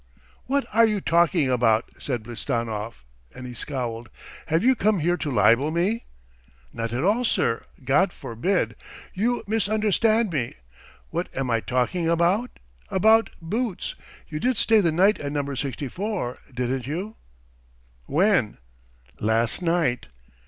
"What are you talking about?" said Blistanov, and he scowled. "Have you come here to libel me?" "Not at all, sir God forbid! You misunderstand me. What am I talking about? About boots! You did stay the night at No. 64, didn't you?" "When?" "Last night!"